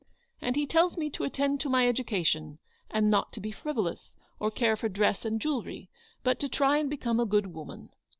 and he tells me to attend to my education, and not to be frivolous, or care for dress and jewellery, but to try and become a good woman.